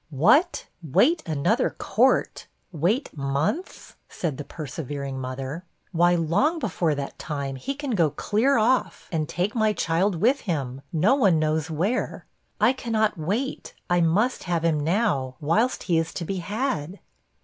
'What! wait another court! wait months?' said the persevering mother. 'Why, long before that time, he can go clear off, and take my child with him no one knows where. I cannot wait; I must have him now, whilst he is to be had.'